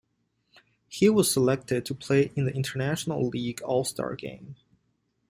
He was selected to play in the International League All-Star game.